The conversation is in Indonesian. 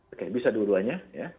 oke bisa dua duanya